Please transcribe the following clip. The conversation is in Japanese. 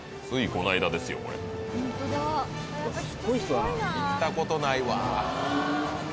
これ行ったことないわ